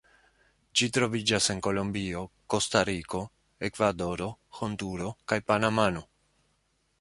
Ĝi troviĝas en Kolombio, Kostariko, Ekvadoro, Honduro, kaj Panamo.